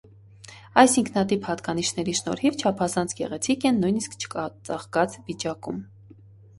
Այս ինքնատիպ հատկանիշների շնորհիվ չափազանց գեղեցիկ են նույնիսկ չծաղկած վիճակում։